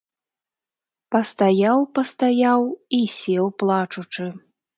Пастаяў, пастаяў і сеў плачучы.